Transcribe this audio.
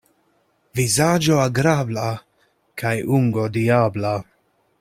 Vizaĝo agrabla kaj ungo diabla.